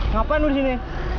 ngapain lu disini